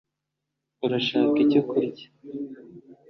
urashaka icyo kurya